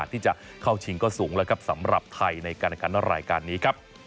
ที่จะเข้าชิงก็สูงแล้วครับสำหรับไทยในการแข่งขันรายการนี้ครับ